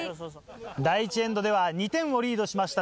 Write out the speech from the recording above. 第１エンドでは２点をリードしました